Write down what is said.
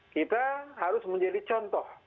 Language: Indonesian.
kita harus menjadi contoh